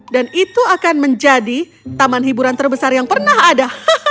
dan itu akan menjadi taman hiburan terbesar yang pernah ada